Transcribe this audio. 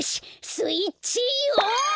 スイッチオ！